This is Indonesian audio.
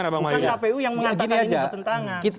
bukan kpu yang mengatakan ini bertentangan